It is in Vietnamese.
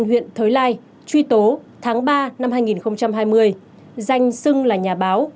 huyện thới lai truy tố tháng ba năm hai nghìn hai mươi danh xưng là nhà báo